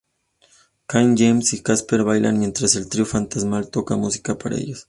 Kat, James y Casper bailan mientras el trío fantasmal toca música para ellos.